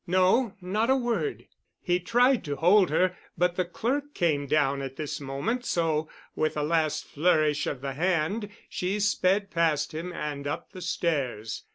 No, not a word——" He tried to hold her, but the clerk came down at this moment, so, with a last flourish of the hand, she sped past him and up the stairs.